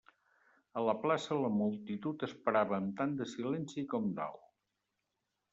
A la plaça, la multitud esperava amb tant de silenci com dalt.